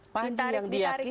panji yang diakini